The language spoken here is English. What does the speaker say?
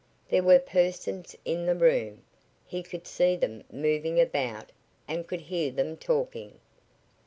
There were persons in the room. He could see them moving about and could hear them talking.